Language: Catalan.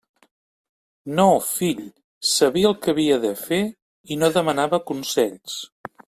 No, fill; sabia el que havia de fer, i no demanava consells.